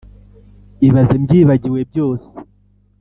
Ibaze mbyibagiwe byose